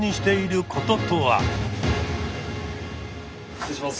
失礼します。